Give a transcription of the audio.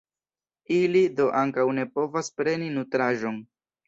Ili do ankaŭ ne povas preni nutraĵon.